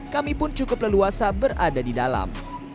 kami pun cukup leluasa berada di dalam